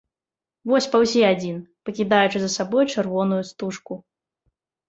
Вось паўзе адзін, пакідаючы за сабой чырвоную стужку.